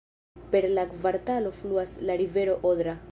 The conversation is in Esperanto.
Per la kvartalo fluas la rivero Odra.